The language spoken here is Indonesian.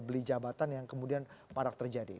beli jabatan yang kemudian marak terjadi